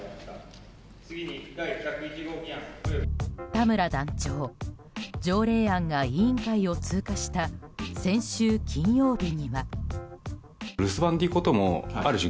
田村団長、条例案が委員会を通過した先週金曜日には。